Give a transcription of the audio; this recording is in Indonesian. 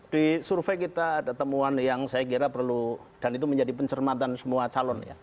di survei kita ada temuan yang saya kira perlu dan itu menjadi pencermatan semua calon ya